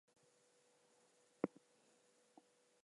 No one on the ground was injured.